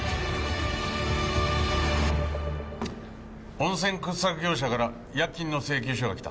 温泉掘削業者から違約金の請求書が来た。